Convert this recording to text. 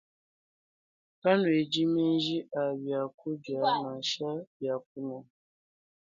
Kanuedi menji a biakudia nansha bia kunua.